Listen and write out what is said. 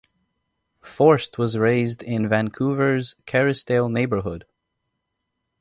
Forst was raised in Vancouver's Kerrisdale neighborhood.